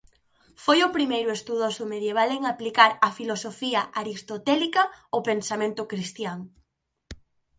Foi o primeiro estudoso medieval en aplicar a filosofía aristotélica ao pensamento cristián.